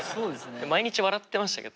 毎日笑ってましたけど。